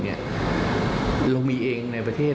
เรามีเองในประเทศ